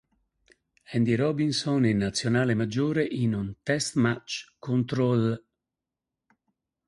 Andy Robinson in Nazionale maggiore in un "test match" contro l'.